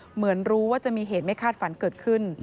เหมือนรู้ว่าจะมีเหตุไม่คาดฝันเกิดขึ้น